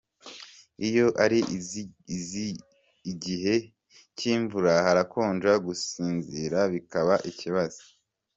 Iyo ari igihe cy’imvura harakonja gusinzira bikaba ikibazo.